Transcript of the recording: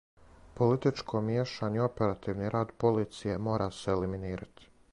Политичко мијешање у оперативни рад полиције мора се елиминирати.